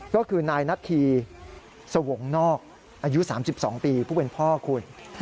ก็คือนายนาธีสวงนอกอายุ๓๒ปีผู้เป็นพ่อคุณ